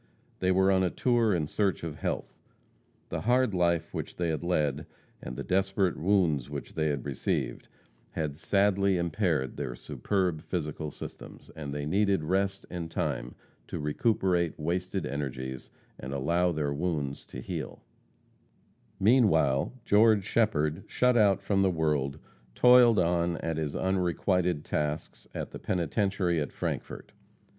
They were on a tour in search of health. The hard life which they had led and the desperate wounds which they had received had sadly impaired their superb physical systems, and they needed rest and time to recuperate wasted energies and allow their wounds to heal. [Illustration: Death of Oll Shepherd.] Meanwhile, George Shepherd, shut out from the world, toiled on at his unrequited tasks in the penitentiary at Frankfort.